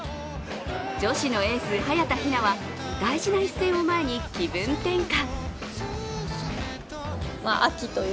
女子のエース・早田ひなは大事な一戦を前に気分転換。